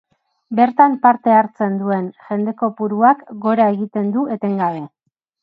Bertan parte hartzen duen jende-kopuruak gora egiten du etengabe.